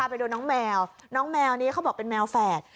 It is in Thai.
ไปดูน้องแมวน้องแมวนี้เขาบอกเป็นแมวแฝด